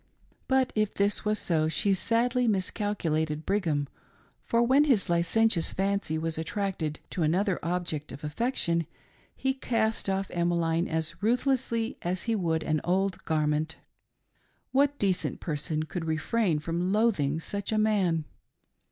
But, if this was so, she sadly miscalculated Brigham, for when his licentious fancy was attracted to another object of affec tion he cast off Emmeline as ruthlessly as he would an old garment. What decent person could refrain from loathing such a man